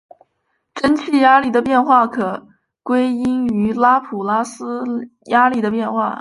蒸气压力的变化可归因于拉普拉斯压力的变化。